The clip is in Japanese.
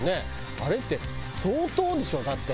あれって相当でしょ？だって。